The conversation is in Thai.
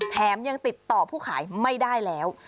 แถมยังติดต่อผู้ขายไม่ได้แล้ว